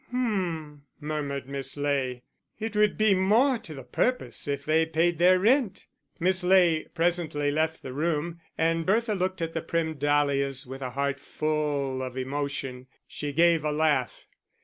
"Hm," murmured Miss Ley, "it would be more to the purpose if they paid their rent." Miss Ley presently left the room, and Bertha looked at the prim dahlias with a heart full of emotion. She gave a laugh.